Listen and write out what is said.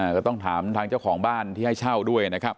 ก็ต้องถามทางเจ้าของบ้านที่ให้เช่าด้วยนะครับ